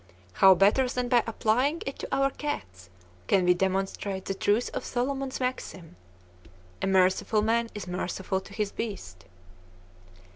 How better than by applying it to our cats can we demonstrate the truth of Solomon's maxim, "A merciful man is merciful to his beast"?